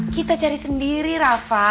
kita cari sendiri rafa